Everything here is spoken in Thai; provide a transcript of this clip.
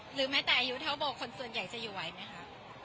หรือแม้แต่อายุเท่าโบคนส่วนใหญ่จะอยู่ไหวไหมคะ